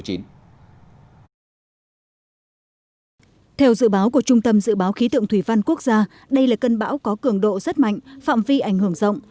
theo dự báo của trung tâm dự báo khí tượng thủy văn quốc gia đây là cơn bão có cường độ rất mạnh phạm vi ảnh hưởng rộng